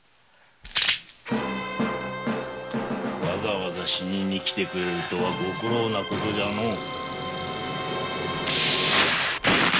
わざわざ死ににきてくれるとはご苦労なことじゃの。